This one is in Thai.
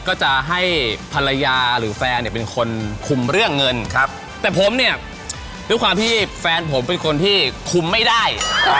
ก็จะให้ภรรยาหรือแฟนเนี่ยเป็นคนคุมเรื่องเงินครับแต่ผมเนี่ยด้วยความที่แฟนผมเป็นคนที่คุมไม่ได้